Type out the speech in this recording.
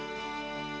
hmm besok kalinya